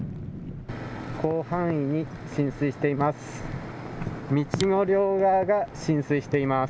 広範囲に浸水しています。